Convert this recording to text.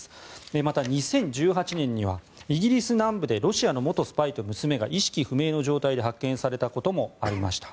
また、２０１８年にはイギリス南部でロシアの元スパイと娘が意識不明の状態で発見されたこともありました。